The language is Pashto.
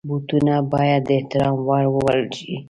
بوټونه باید د احترام وړ وبلل شي.